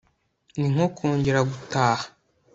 ni nko kongera gutaha